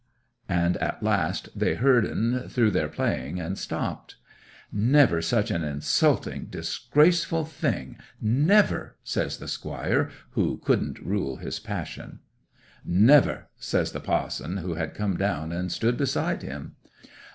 'And at last they heard'n through their playing, and stopped. '"Never such an insulting, disgraceful thing—never!" says the squire, who couldn't rule his passion. '"Never!" says the pa'son, who had come down and stood beside him.